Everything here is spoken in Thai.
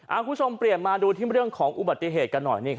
คุณผู้ชมเตรียมมาดูเรื่องของอุบัติเหตุหน่อย